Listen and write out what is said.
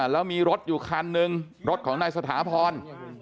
แล้วมีรถอยู่คันนึงรถของนายสถาพร